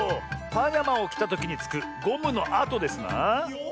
パジャマをきたときにつくゴムのあとですな。